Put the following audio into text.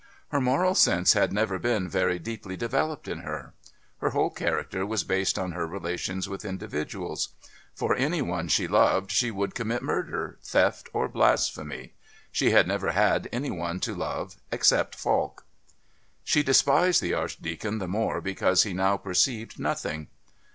Her moral sense had never been very deeply developed in her. Her whole character was based on her relations with individuals; for any one she loved she would commit murder, theft or blasphemy. She had never had any one to love except Falk. She despised the Archdeacon the more because he now perceived nothing.